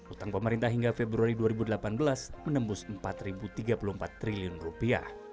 utang pemerintah hingga februari dua ribu delapan belas menembus empat tiga puluh empat triliun rupiah